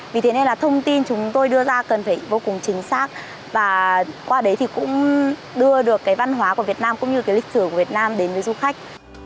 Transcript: vì thế nên là thông tin chúng tôi đưa ra cần phải vô cùng chính xác và qua đấy thì cũng đưa được cái văn hóa của việt nam cũng như cái lịch sử của việt nam đến với du khách